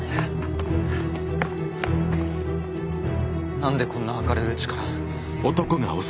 なんでこんな明るいうちから。